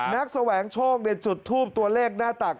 แสวงโชคจุดทูปตัวเลขหน้าตัก